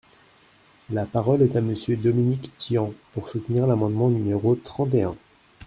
La parole est à Monsieur Dominique Tian, pour soutenir l’amendement numéro trente et un.